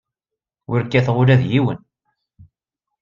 Ur kkateɣ ula d yiwen.